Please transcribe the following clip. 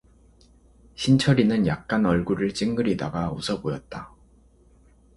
신철이는 약간 얼굴을 찡그리다가 웃어 보였다.